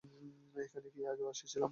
এখানে কি আগে এসেছিলাম?